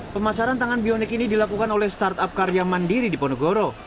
pemasaran tangan bionik ini dilakukan oleh startup karya mandiri di ponegoro